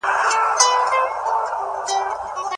چېري افغان سوداګر خپل توکي نړیوالو بازارونو ته وړاندي کوي؟